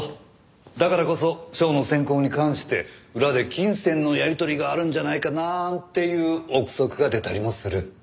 だからこそ賞の選考に関して裏で金銭のやり取りがあるんじゃないかなんていう臆測が出たりもする。